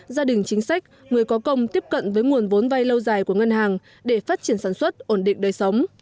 gia đình chính sách người có công tiếp cận với nguồn vốn vay lâu dài của ngân hàng để phát triển sản xuất ổn định đời sống